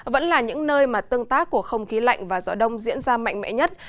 vẫn là những nơi mà tương tác của không khí lạnh và gió đông diễn ra mạnh mẽ nhất